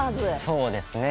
そうですね。